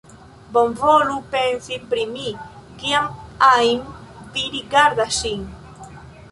Bonvolu pensi pri mi, kiam ajn vi rigardas ŝin.